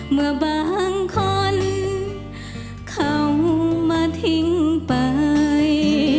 เมื่อบางคนเข้ามาทิ้งไป